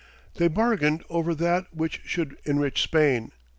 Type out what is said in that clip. They bargained over that which should enrich Spain!